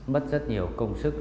mất rất nhiều công sức